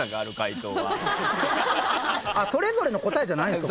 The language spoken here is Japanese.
それぞれの答えじゃないんすか？